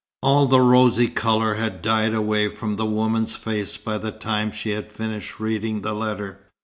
All the rosy colour had died away from the woman's face by the time she had finished reading the letter.